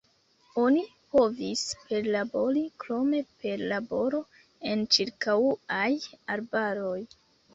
Oni povis perlabori krome per laboro en ĉirkaŭaj arbaroj.